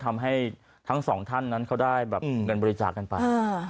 ทำให้ทั้งสองท่านนั้นเขาได้แบบเงินบริจาคกันไป